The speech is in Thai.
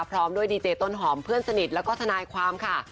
พร้อมด้วยดีเจต้นหอมเพื่อนสนิทแล้วก็ทนายความค่ะ